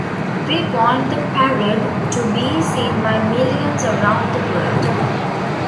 We want the parade to be seen by millions around the world.